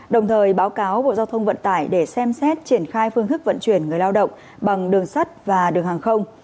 đồng thời báo cáo bộ giao thông vận tải để xem xét triển khai phương thức vận chuyển người lao động bằng đường sắt và đường hàng không